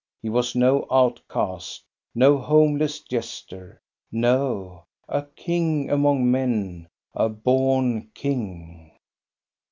He was no outcast, no homeless jester; no, a king among men, a born king.